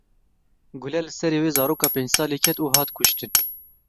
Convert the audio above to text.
Gule li serê wê zaroka pênc salî ket û hat kuştin.